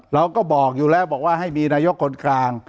เราก็บอกอยู่แล้วบอกว่าให้มีนายกคนกลาง